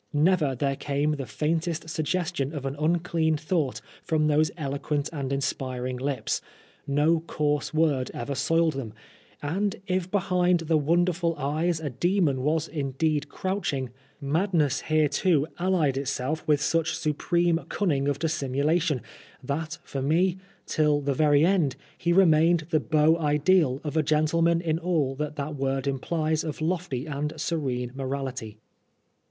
Never there came the faintest suggestion of an unclean thought from those eloquent and inspiring lips; no coarse word ever ii Oscar Wilde soiled them ; and if behind the wonderful eyes a demon was indeed crouching, mad ness here too allied itself with such supreme cunning of dissimulation, that for me, till the very end, he remained the beau iddal of a gentleman in all that that word implies of lofty and serene morality.